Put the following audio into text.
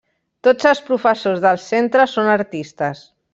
Tots els professors del centre són artistes.